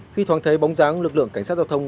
khi thoáng thấy bóng dáng lực lượng cảnh sát giao thông